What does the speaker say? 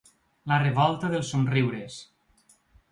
La revolta dels somriures.